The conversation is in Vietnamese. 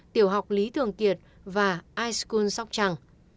tiểu học lý thường kiệt và ischool sóc trăng